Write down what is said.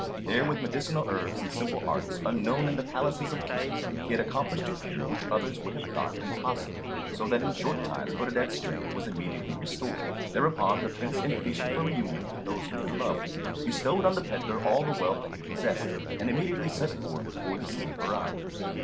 There with medicinal herbs and simple arts unknown in the palaces of kings he had accomplished a cure which others would have thought impossible, so that in a short time Codadad's strength was completely restored. Thereupon the Prince impatient for reunion with those whom he loved, bestowed on the pedlar all the wealth that he possessed, and immediately set forth toward the city of Harran.